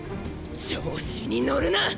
調子に乗るな！！